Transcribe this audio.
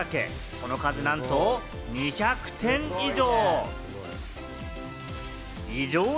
その数なんと２００点以上。